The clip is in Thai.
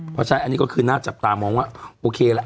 เพราะฉะนั้นอันนี้ก็คือน่าจับตามองว่าโอเคละ